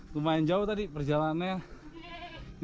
lumayan jauh tadi perjalanannya